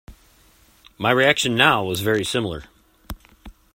My reaction now was very similar.